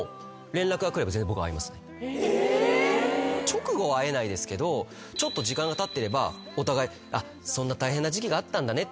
直後は会えないですけどちょっと時間がたってればお互い「そんな大変な時期があったんだね」